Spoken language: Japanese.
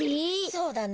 そうだな。